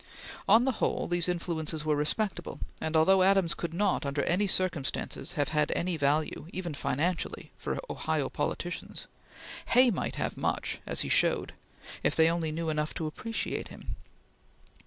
On the whole, these influences were respectable, and although Adams could not, under any circumstances, have had any value, even financially, for Ohio politicians, Hay might have much, as he showed, if they only knew enough to appreciate him.